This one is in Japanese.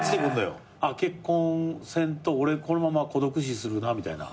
あっ結婚せんと俺このまま孤独死するなみたいな。